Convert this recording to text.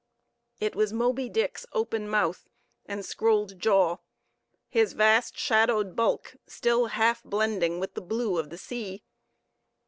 It was Moby Dick's open mouth and scrolled jaw; his vast, shadowed bulk still half blending with the blue of the sea.